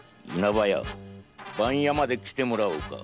番屋まで来てもらおうか。